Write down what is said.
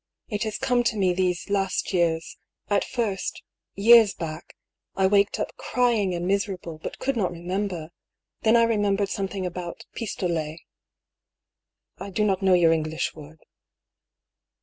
" It has come to me these last years : at first — ^years back — I waked up crying and miserable, but could not re member. Then I remembered something about pistolets, I do not know your English word."